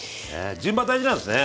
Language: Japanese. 順番大事なんですね。